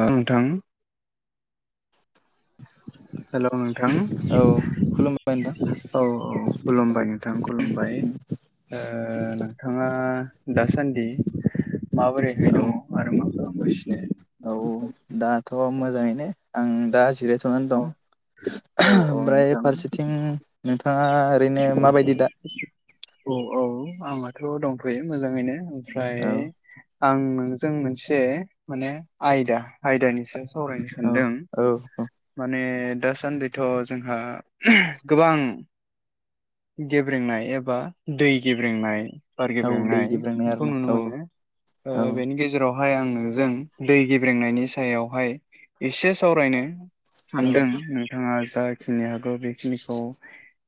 अ नोंथां हेलौ नोंथां औ खुलुमबाय नोंथां औ औ खुलुमबाय नोंथां खुलुमबाय ओ नोंथाङा दासान्दि माबोरैहाय औ दङ आरो मा खालामगासिनो औ दाथ' मोजाङैनो आं दा जिरायथ'नानै औ दं औ औ ओमफ्राय नोंथां फारसेथिं नोंथाङा ओरैनो माबायदि दा औ औ आंनाथ' दंथ'यो मोजाङैनो ओमफ्राय औ आं नोंजों मोनसे माने आयदा आयदानि सो सावरायनो औ सानदों औ औ माने दासान्दिथ' जोंहा गोबां गेब्रेंनाय एबा दै गेब्रेंनाय बार औ दै गेब्रेंनाय बेखौ आरोना नुनो औ मोनो ओ औ बेनि गेजेराव बेवहाय आं नोंजों दै गेब्रेंनायनि सायावहाय एसे सावरायनो औ सानदों नोंथाङा जाखिनि हागौ बेखिनिखौ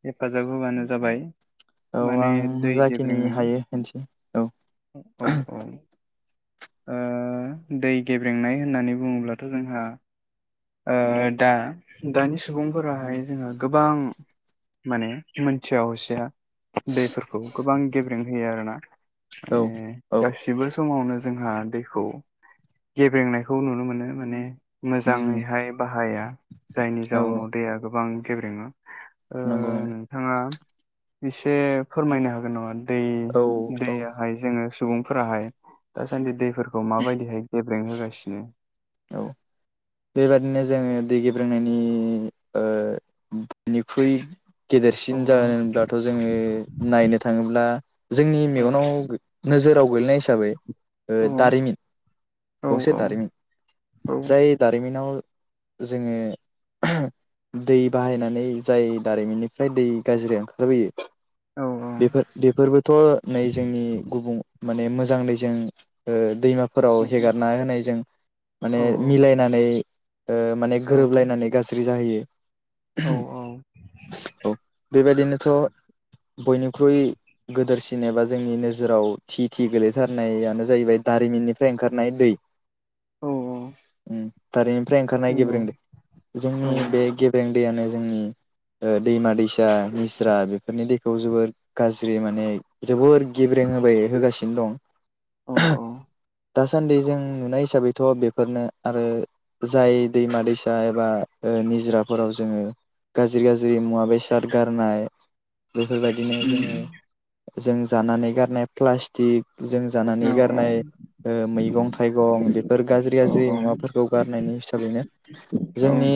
हेफाजाब होबानो जाबाय औ माने आं दै जाखिनि गेब्रेंनाय हायो होनसै औ औ औ ओ दै गेब्रेंनाय होननानै बुंङोब्लाथ' जोंहा ओ दा दानि सुबुंफोराहाय जोंहा गोबां माने मोनथिया हसिया दैफोरखौ गोबां गेब्रें होयो आरोना औ माने औ गासिबो समावनो जोंहा दैखौ गेब्रेंनायखौ नुनो मोनो माने उम मोजाङैहाय बाहाया जायनि औ जाउनाव औ दैया गोबां गेब्रेङो ओ नंगौ नंगौ नोंथाङा एसे फोरमायनो हागोन नामा दै औ औ दैयाहाय जोङो सुबुंफोराहाय दासान्दि दै फोरखौ माबायदिहाय गेब्रें होगासिनो औ बेबादिनो जोंङो दै गेब्रोंनायनि ओ बयनिख्रुइ औ गेदेरसिन जानोदाथ जोंङो नायनो थांङोब्ला जोंनि मेगनाव नोजोराव गेलेनाय हिसाबै दारिमिन औ गंसे दारिमिन औ जाय दारिमिन नाव जोंङो दै बाहायनानै जाय दारिमिननिफ्राय दै गाज्रि ओंखारबोयो औ बेफोरबोथ नै जोंनि गुबुं माने मोज जां नैजों ओ दैमाफोराव हेगारना होनाय जों माने औ मिलायनानै ओ माने गोरोबलायनानै गाज्रि औ जाहैयो औ बेबायदिनोथ' बयनिख्रुइ गोदोरसिन एबा जोंनि नोजोराव थि-थि गोलैथारनायानो जाहैबाय दारिमिननिफ्राय ओंखार नाय दै औ औ थारैनिफ्राय ओंखारनाय नंगौ गेब्रें दै जोंनि औ बे गेबें उदैयानो जोंनि दैमा दैसा निस्रा बेफोरनि दैखौ जोबोर गाज्रि माने जोबोर गेब्रें होबाय होगासिनो दं औ-औ दासान्दि जों नुनाय हिसाबैथ बेफोरनो आरो जाय दैमा दैसा एबा निजोराफोराव जोंङो गाज्रि-गाज्रि मुवा बेसाद गारनाय बेफोरबायदिनो जोंङो उम जों जानानै गारनाय प्लास्टिक जों औ जानानै औ गारनाय मैगं थाइगं बेफोर गाज्रि-गाज्रि मुवाफोरखौ गारनायनि हिसाबैनो औ जोंनि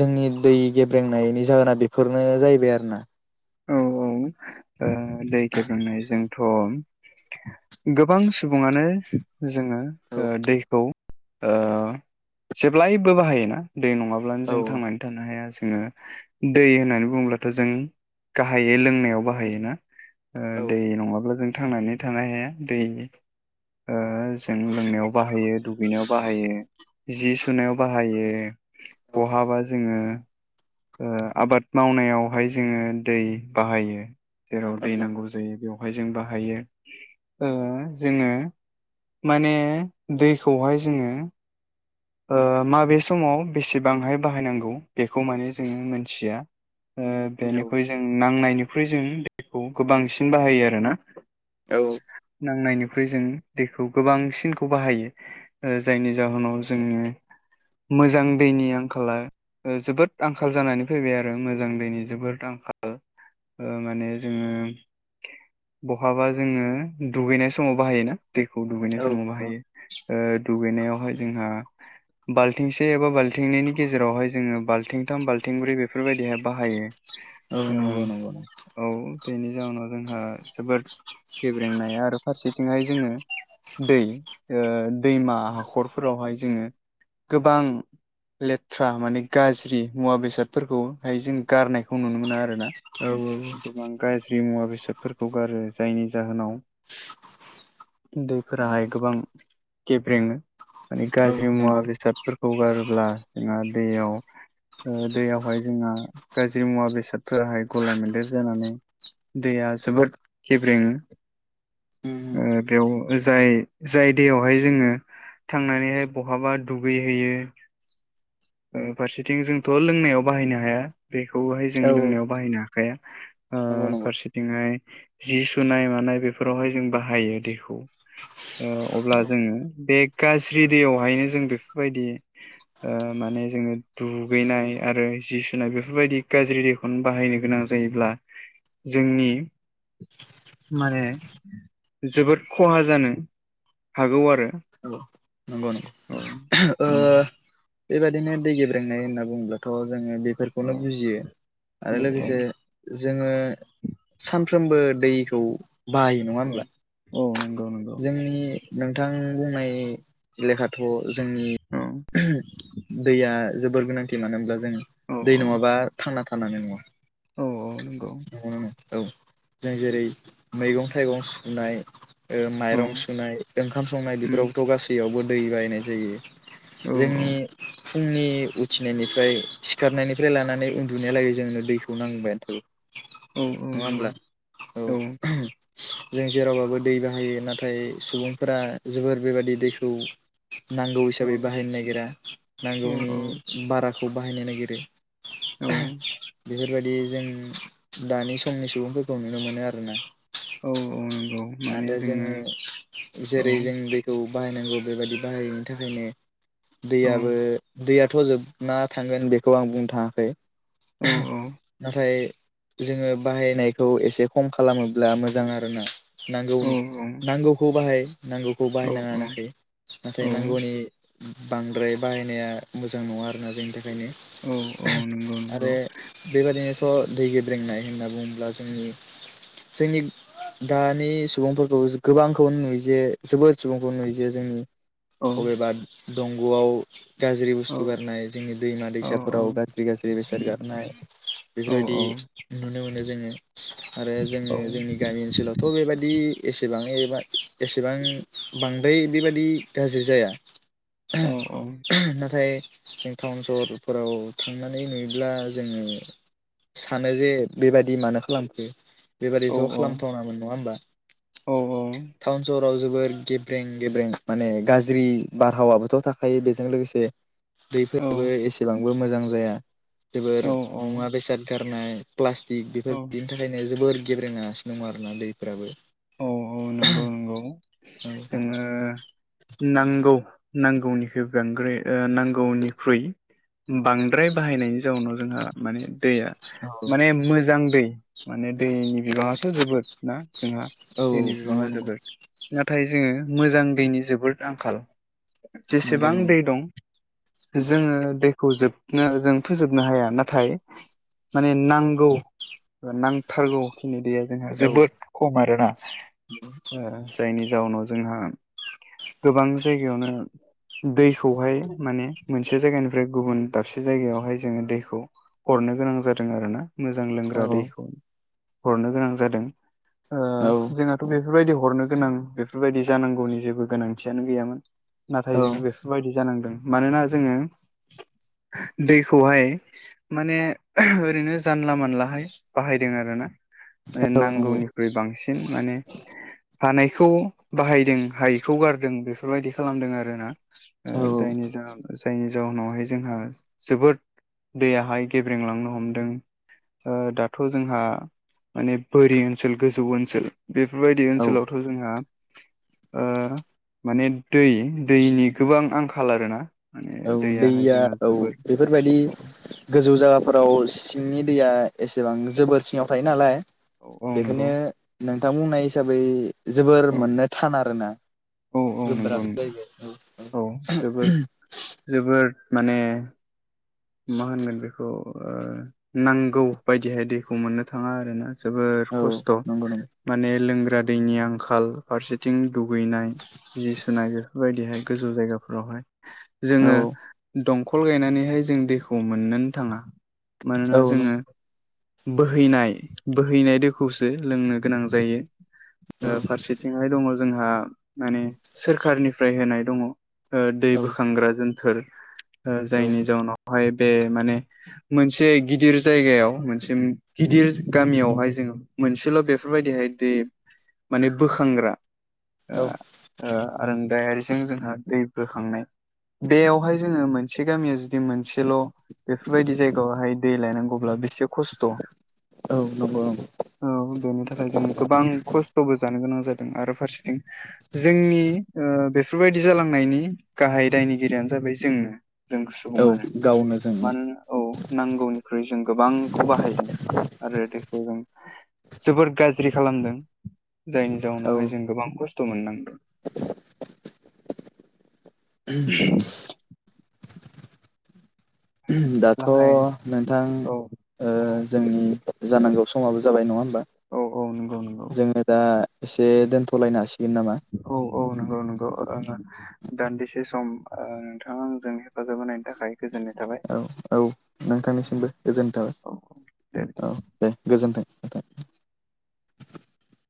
जोंनि दै गेब्रेंनायनि जाहोना बेफोरनो जाहैबाय आरोना औ-औ ओ दै गेब्रेंनायजोंथ गोबां सुबुंङानो जोंङो औ दैखौ ओ जेब्लायबो बाहायोना दै नंङाब्लानो औ जों थांनानै थानो हाया जोंङो दै होननानै बुंङोब्लाथ' जों गाहायै लोंनायाव बाहायो ना ओ औ दै नंङाब्ला जों थांनानै थानो हाया दैनि ओ जों लोंनायाव बाहायो दुगैनायाव बाहायो जि सुनायाव बाहायो बहाबा जोंङो ओ आबाद मावनायावहाय जोंङो दै बाहायो जेराव दै नांगौ जायो बेवहाय जों बाहायो ओ जोंङो माने दैखौहाय जोंङो ओ माबे समाव बेसेबांहाय बाहायनांगौ बेखौ माने जोंङो मोनथिया ओ बेनिख्रुइ जों नांनायनिख्रुइ जों दैखौ गोबांसिन बाहायो आरोना औ नांनायनि ख्रि जों दैखौ गोबांसिनखौ बाहायो ओ जायनि जाहोनाव जोंङो मोजां दैनि आंखाला जोबोद आंखाल जानानै फैबाय आरो मोजां दैनि जोबोद आंखाल ओ माने जोंङो बहाबा जोंङो दुगैनाय समाव बाहायोना दैखौ दुगैनाय औ समाव बाहायो ओ दुगैनायावहाय जोंहा बाल्थिंसे एबा बाल्थिंनैनि गेजेरावहाय जोंङो बाल्थिंथाम बाल्थिंब्रै बेफोरबायदिहाय बाहायो औ नंगौ नंगौ नंगौ ओ औ बेनि जाहोनाव जोंहा जोबोद गेब्रेंनाय आरो फारसेथिंहाय जोंङो दै ओ दैमा हाखरफोरावहाय जोंङो गोबां लेथ्रा माने गाज्रि मुवा बेसादफोरखौहाय जों गारनायखौ नुनो मोना आरोना [inaudible] औ दैफोराहाय गोबां गेब्रेङो माने औ गाज्रि मुवा नंगौ बेसादफोरखौ गारोब्ला जोंहा दैयाव ओ दैयावहाय जोंहा गाज्रि मुवा बेसादफोराहाय गलाय मोन्देर जानानै दैया जोबोद खेब्रेङो औ ओ बेव जाय जाय दैयावहाय जोङो थांनानैहाय बहाबा दुगैहैयो फारसेथिं जोंथ' लोंनायाव बाहायनो हाया बेखौहाय जों औ लोंनायाव बाहायनो हाखाया। नंगौ नंगौ फारसेथिंहाय जि सुनाय मानाय बेफोरावहाय जों बाहायो दैखौ। ओ अब्ला जोङो बे गाज्रि दैयावहायनो जों बेफोरबायदि ओ माने जोङो दुगैनाय आरो जि सुनाय बेफोरबायदि गाज्रि दैखौनो बाहायनो गोनां जायोब्ला, जोंनि माने जोबोद खहा जानो हागौ आरो। औ नंगौ नंगौ। बेबादिनो दै गेब्रेंनाय होनना बुङोब्लाथ' जोङो बेफोरखौनो औ नंगौ औ बुजियो आरो औ औ लोगोसे जोङो सानफ्रोमबो दैखौ बाहायो नङा होमब्ला? औ औ नंगौ नंगौ जोंनि नों थां बुंनाय लेखाथ' जोंनि औ दैया जोबोर गोनांथि मानो होनब्ला जोङो औ दै औ नङाबा थांना थानो हानाय नङा। औ औ। नंगौ औ जों जेरै मैगं थाइगं सुनाय ओ औ माइरं सुनाय ओंखाम संनाय उम बेफोरावथ' गासैयावबो दै बायनाय जायो। औ जोंनि फुंनि उथिनायनिफ्राय सिखारनायनिफ्राय लानानै उन्दुनायलागै जोंनो दैखौ नांबायानो थागोव औ औ नङा होनब्ला? नंगौ औ। जों जेरावबाबो दै बाहायो नाथाय सुबुंफोरा जोबोर बेबादि दैखौ नांगौ हिसाबै बाहायनो नागिरा औ नांगौनि बाराखौ बाहायनो नागिरो। औ। बेफोरबायदि जों दानि समनि सुबुंफोरखौ नुनो मोनो आरोना। औ औ न आरो जोङो औ जेरै जों दैखौ बाहायनांगौ बेबायदि बाहायनि थाखायनो औ दैयाबो दैया थ' जोबना थांगोन बेखौ आं बुंनो थाङाखै औ नाथाय जोङो बाहायनायखौ एसे खम खालामोब्ला मोजां आरोना। औ नांगौनि नांगौखौ बाहाय नांगौखौ औ बाहायनाङा होनाखै नाथाय औ नांगौनि बांद्राय बाहायनाया मोजां नङा आरोना जोंनि थाखायनो। औ औ नंगौ नंगौ। आरो बेबादिनोथ' दै गेब्रेंनाय होनना बुङोब्ला जोंनि जोंनि दानि नि सुबुंफोरखौ गोबांखौनो नुयो जे जोबोद सुबुंफोर नुयोे जे जोंनि औ अबेबा दंग'आव गाज्रि औ बुस्थु गारनाय जोंनि दैमा औ औ दैसाफोराव गाज्रि गाज्रि बेसाद गारनाय बेफोरबायदि नुनो मोनो जोङो आरो जोङो जोंनि गामि ओनसोलाव दि एसेबां एबा एसेबां बांद्राय बेबादि गाज्रि जाया औ नाथाय जों टाउन सहरफोराव थांनानै नुयोब्ला जोङो सानो जे बेबादि मानो खालामखो। बेबादिथ' औ औ खालामथावनामोन नङा होमबा? औ टाउन सहर फ्राव जोबोर गेब्रें गेब्रें माने गाज्रि बारहावाबोथ' थाखायो बेजों लोगोसे औ दैफोराबो एसेबांबो मोजां जाया जोबोर मुवा बेसाद गारनाय प्लास्टिक औ बेफोर दिनि थाखायनो जोबोर गेब्रेेना सिनो दङ आरोना दैफ्राबो। औ औ नंगौ नंगौ औ जोङो नांगौ नांगौनिखुइ बांग्राय ओ नांगौनिख्रुइ बांद्राय बाहायनायनि जाउनाव जोंहा माने दैया औ माने मोजां दै माने दैनि बिबाङाथ' जोबोद ना जोंहा औ दैनि नंगौ बिबाङा नंगौ जोबोद ओ थाय जोङो मोजां दैनि जोबोर आंखाल नंगौ जेसेबां नंगौ दै दं। जोङो दैखौ जोबनो जों फोजोबनो हाया नाथाय माने नांगौ नांथारगौखिनि दैया जोंहा औ जोबोद खम आरोना ओ जायनि जाउनाव जोंहा गोबां जायगायावनो दैखौहाय माने मोनसे जायगानिफ्राय गुबुन दाबसे जायगायावहाय जोङो दैखौ हरन नो गोनां जादों आरो ना मोजां औ लोंग्रा दैखौ हरनो गोनां जादों। ओ औ दाथ' बेफोरबायदि हरनो गोनां बेफोरबायदि जानांगौनि जेबो गोनांथियानो गैयामोन। नाथाय औ जों बेफोरबायदि जानांदों मानोना जोङो दैखौहाय माने ओरैनो जानला मानलाहाय बाहायदों आर ना। माने औ नंगौ नांगौनिख्रुइ बांसिन माने हानायखौ बाहायदों हायिखौ गारदों बेफोरबायदि खालामदों आरोना ओ औ जायनि जाहोनाव जायनि जाहोनावहाय जोंहा जोबोद दैयाहाय गेब्रेंलांनो हमदों। ओ दाथ' जोंहा माने बोरि ओनसोल गोजौ ओनसोल बेफोरबायदि औ ओनसोलावथ' जोंहा आ माने दै दैनि गोबां आंखाल आरोना माने औ दैयाहाय दैया जोंहा औ जोबोर बेफोरबादि औ गोजौ जाबा फोराव सिंनि दैया एसेबां जोबोर सिङाव थायो नालाय औ नंगौ बेखायनो नों थां बुंनाय हिसाबै जोबोर औ मोननो थान आरोना औ औ नंगौ गोब्राब नंगौ जायो । जोबोद माने मा होनगोन बेखौ ओ नांगौ बायदिहाय दैखौ मोननो थाङा आरोना जोबोर औ खस्थ' नंगौ नंगौ माने लोंग ग्रा दैनि आंखाल फारसेथिं दुगैनाय जि सुनाय बेफोरबायदिहाय गोजौ जायगाफोरावहाय जोङो औ दंखल गायनानैहाय जों दैखौ मोननोन थाङा। मानोना औ नं जोङो बोहैनाय बोहैनाय दैखौसो लोंनो गोनां जायो। औ ओ फारसेथिंहाय दङ जोंहा माने सोरखारनिफ्राय होनाय दङ। ओ दै औ बोखांग्रा जोनथोर ओ जायनि औ जाउनाव खौहाय बे माने मोनसे गिदिर जायगायाव मोनसे गिदिर गामियावहाय जों मोनसेल' बेफोरबायदिहाय दे माने बोखांग्रा आ औ आ आरोन [unintelligible] जोंहा दै बोखांनाय बेयावहाय जोंङो मोनसे गामिया जुदि मोन सेल' बेफोरबायदि जायगायावहाय दै लायनांगौब्ला बेसे खस्थ' औ नंगौ नंगौ औ बेनि थाखाय जों गोबां खस्थ'बो जानो गोनां जादों आरो फारसेथिं जोंनि ओ बेफोरबायदि जालांनायनि गाहाय दायनिगिरियानो जाबाय जोंनो जों औ सुबुङानो आरो। गावनो जों मानोन औ नांगौनिख्रुइ जों गोबांखौ बाहायदों आरो दे खौ जों जोबोर गाज्रि खालामदों जायनि औ जाउनावहाय जों गोबां खस्थ' मोननां [inaudible] दाथ' गाहाय नोंथां औ ओ औ जोंनि जानांगौ समाबो जाबाय नङा होन बा औ औ नंगौ नंगौ जोङो दा एसे दोनथ'लायना हासि औ औ नंगौ नंगौ। अ नो दान्दिसे सम आ नोंथाङा आंजों हेफाजाब होनायनि थाखाय गोजोननाय थाबाय औ औ नोंथांनिसिमबो गोजोनथाबाय औ औ दे औ दे गोजोन्थों। [inaudible]